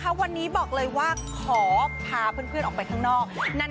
วันนี้บอกเลยว่าขอพาเพื่อนออกไปข้างนอก